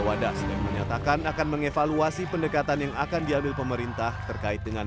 wadas dan menyatakan akan mengevaluasi pendekatan yang akan diambil pemerintah terkait dengan